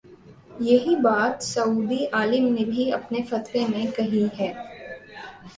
یہی بات سعودی عالم نے بھی اپنے فتوے میں کہی ہے۔